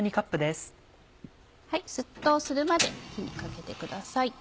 沸騰するまで火にかけてください。